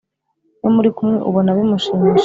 iyo muri kumwe ubona bimushimishije .